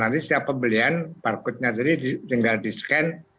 nah nanti setiap pembelian barcodenya tadi tinggal disket